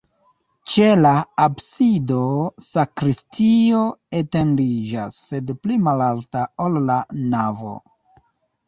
Ĉe la absido sakristio etendiĝas, sed pli malalta, ol la navo.